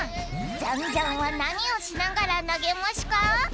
ジャンジャンはなにをしながらなげましゅか？